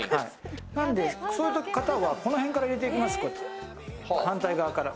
なので、そういう方はこの辺から入れていきます、反対側から。